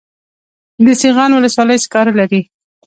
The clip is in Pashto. د سیغان ولسوالۍ سکاره لري